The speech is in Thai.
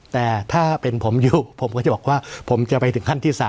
แต่ถ้าเป็นผมอยู่ผมก็จะบอกว่าผมจะไปถึงขั้นที่๓